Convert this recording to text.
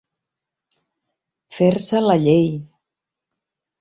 Fer-se la llei.